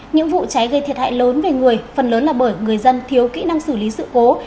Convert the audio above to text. những vụ cháy gây thiệt hại lớn về người phần lớn là bởi người dân thiếu kỹ năng xử lý sự cố